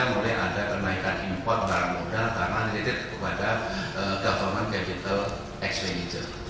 mulai ada naikkan impot barang modal karena related kepada government capital expenditure